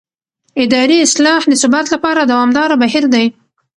اداري اصلاح د ثبات لپاره دوامداره بهیر دی